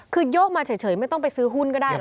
คือโยกมาเฉยไม่ต้องไปซื้อหุ้นก็ได้ล่ะ